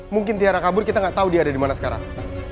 mungkin tiara kabur kita gak tau dia ada dimana sekarang